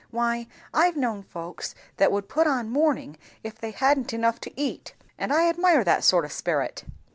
Why I've known folks that would put on mourning if they hadn't enough to eat; and I admire that sort o' sperit."